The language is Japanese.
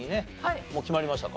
もう決まりましたか？